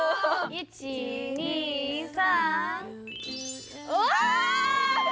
１２３。